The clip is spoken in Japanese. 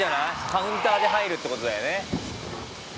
カウンターで入るってことだよね。